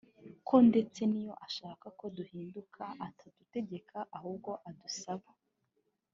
Ko ndetse n'iyo ashaka ko duhinduka atadutegeka ahubwo ko adusaba